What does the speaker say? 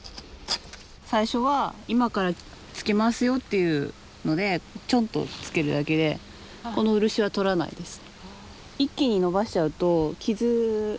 最初は今からつけますよっていうのでチョンとつけるだけでこの漆はとらないです。